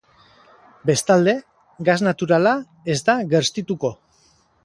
Bestalde, gas naturala ez da gerstituko.